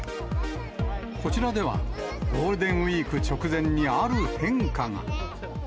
こちらでは、ゴールデンウィーク直前にある変化が。